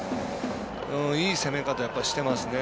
いい攻め方してますね。